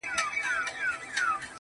د خپل جېبه د سگريټو يوه نوې قطۍ وا کړه~